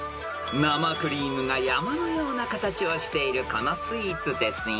［生クリームが山のような形をしているこのスイーツですよ］